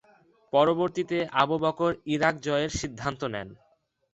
পরবর্তীতে Abu Bakr Iraq জয়ের সিদ্ধান্ত নেন।